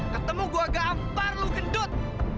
katemu gua ga ampar lu gendut